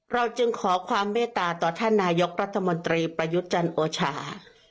เราจึงขอความเมตตาต่อท่านนายกรัฐมนตรีประยุทธ์จันทร์โอชา